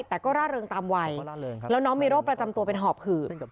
แต่ก็ร่าเริงตามวัยแล้วน้องมีโรคประจำตัวเป็นหอบหืด